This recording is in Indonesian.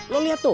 lo lihat tuh